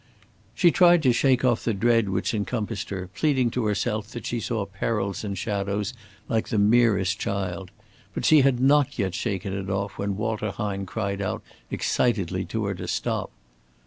She tried to shake off the dread which encompassed her, pleading to herself that she saw perils in shadows like the merest child. But she had not yet shaken it off when Walter Hine cried out excitedly to her to stop.